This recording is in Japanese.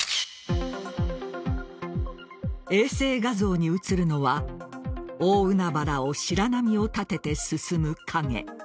衛星画像に写るのは大海原を白波を立てて進む影。